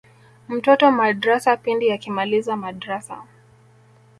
mtoto madrasa pindi akimaliza madrasa